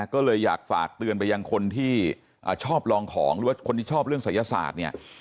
ก็เลยอยากฝากเตือนไปยังคนที่ชอบลองของหรือว่าคนที่ชอบเรื่องศัยศาสตร์เนี่ย